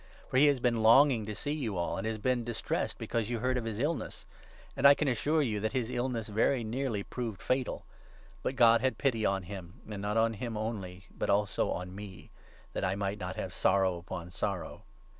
For he has been longing to see you all, and has been 26 distressed because you heard of his illness. And I can assure 27 you that his illness very nearly proved fatal. But God had pity on him, and not on him only but also on me, that I might not have sorrow upon sorrow.